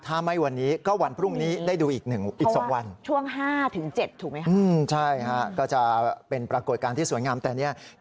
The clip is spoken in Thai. ถ้าไม่วันนี้ก็วันพรุ่งนี้ได้ดูอีก๒วัน